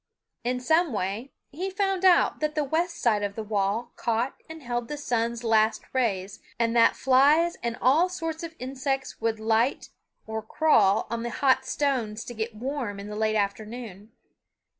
In some way he found out that the west side of the wall caught and held the sun's last rays, and that flies and all sorts of insects would light or crawl on the hot stones to get warm in the late afternoon.